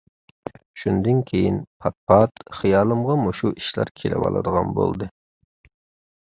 شۇندىن كېيىن پات-پات خىيالىمغا مۇشۇ ئىشلار كېلىۋالىدىغان بولدى.